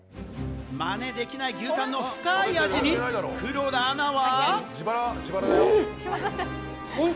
まねできない牛たんの深い味わいに黒田アナは。